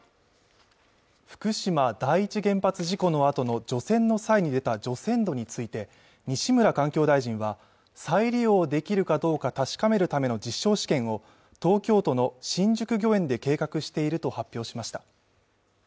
福島第一原発事故のあとの除染の際に出た除染土について西村環境大臣は再利用できるかどうか確かめるための実証試験を東京都の新宿御苑で計画していると発表しました